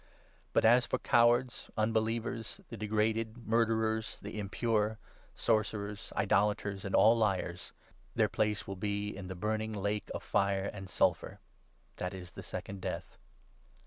But as for cowards, un 8 believers, the degraded, murderers, the impure, sorcerers, idolaters, and all liars — their place will be in the burning lake of fire and sulphur. That is the Second Death.'